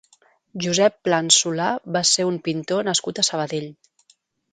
Josep Plans Solà va ser un pintor nascut a Sabadell.